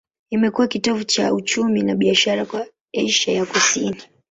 Imekuwa kitovu cha uchumi na biashara kwa Asia ya Kusini.